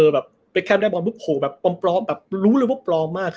เบคแคมป์ได้บอลแบบโหแบบปลอมรู้เลยว่าปลอมมาก